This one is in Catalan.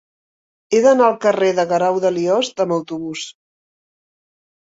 He d'anar al carrer de Guerau de Liost amb autobús.